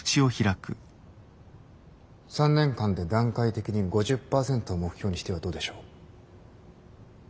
３年間で段階的に５０％を目標にしてはどうでしょう。